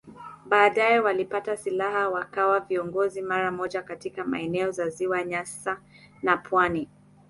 Baadaye walipata silaha wakawa viongozi mara moja katika maeneo ya Ziwa Nyasa na pwani.